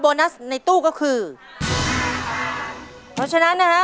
นัสในตู้ก็คือเพราะฉะนั้นนะฮะ